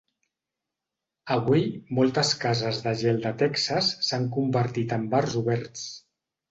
Avui, moltes cases de gel de Texas s'han convertit en bars oberts.